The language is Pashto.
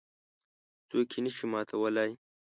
څوک یې نه شي ماتولای.